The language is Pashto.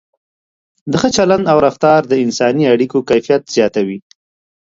د ښه چلند او رفتار د انساني اړیکو کیفیت زیاتوي.